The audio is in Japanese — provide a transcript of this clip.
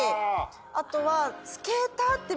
あとは。